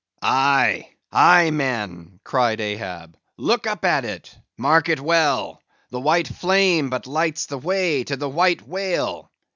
"Aye, aye, men!" cried Ahab. "Look up at it; mark it well; the white flame but lights the way to the White Whale!